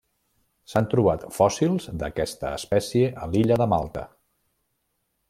S'han trobat fòssils d'aquesta espècie a l'illa de Malta.